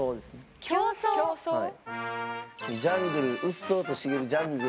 ジャングルうっそうと茂るジャングルの中をですね。